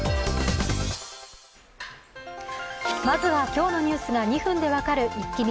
まずは、今日のニュースが２分で分かるイッキ見。